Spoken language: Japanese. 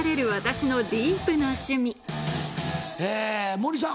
森さん